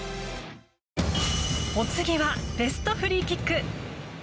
お次はベストフリーキック。